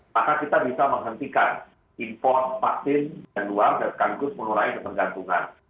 maka kita bisa menghentikan impor vaksin yang luar sekaligus mengurangi ketergantungan